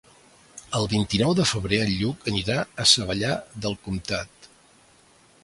El vint-i-nou de febrer en Lluc anirà a Savallà del Comtat.